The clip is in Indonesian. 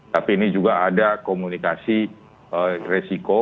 tapi ini juga ada komunikasi resiko